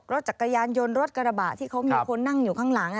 รถจักรยานยนต์รถกระบะที่เขามีคนนั่งอยู่ข้างหลัง